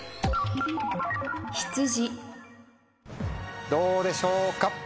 羊どうでしょうか？